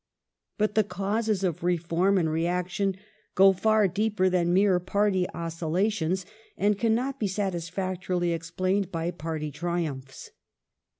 But the causes of reform and reaction go far deeper than mere party oscillations, and cannot be satisfactorily explained by party triumphs.